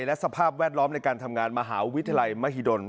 และสภาพแวดล้อมในการทำงานมหาวิทยาลัยมหิดล